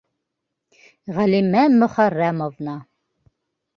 Ғәлимә Мөхәррәмовна.